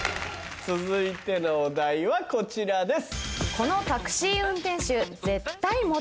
続いてのお題はこちらです。